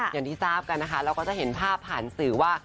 อย่างที่ทราบกันนะคะเราก็จะเห็นภาพผ่านสื่อว่า